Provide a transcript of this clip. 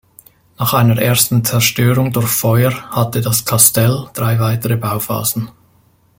Nach einer ersten Zerstörung durch Feuer hatte das Kastell drei weitere Bauphasen.